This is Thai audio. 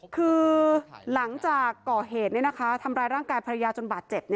คือหลังจากก่อเหตุทำร้ายร่างกายภรรยาจนบาดเจ็บ